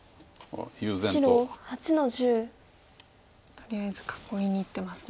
とりあえず囲いにいってますね。